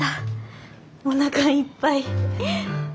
おなかいっぱい。